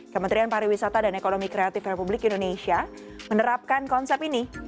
kementerian pariwisata dan ekonomi kreatif republik indonesia menerapkan konsep ini